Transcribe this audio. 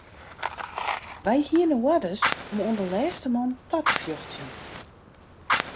Wy hiene oarders om oan de lêste man ta te fjochtsjen.